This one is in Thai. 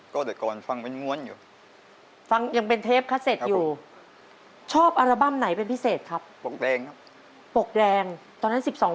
เคยแล้วฉันบ้างไหมขึ้นอย่างไร